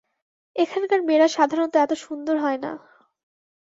এখানকার মেয়েরা সাধারণত এত সুন্দর হয় না।